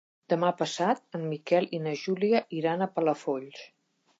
Demà passat en Miquel i na Júlia iran a Palafolls.